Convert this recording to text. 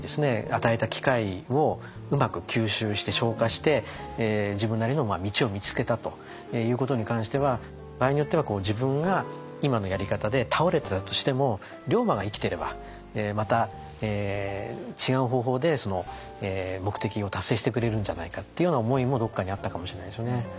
与えた機会をうまく吸収して消化して自分なりの道を見つけたということに関しては場合によっては自分が今のやり方で倒れたとしても龍馬が生きてればまた違う方法でその目的を達成してくれるんじゃないかっていうような思いもどっかにあったかもしれないですよね。